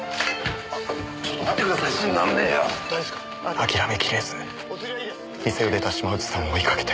諦めきれず店を出た島内さんを追いかけて。